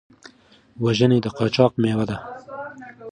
وژنې د قاچاق مېوه ده.